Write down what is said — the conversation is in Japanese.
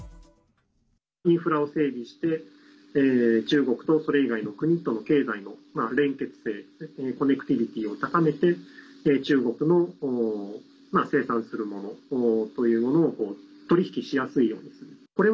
インフラを整備して中国とそれ以外の国との経済の連結性＝コネクティビティを高めて中国の生産するものというものを取り引きしやすいようにする。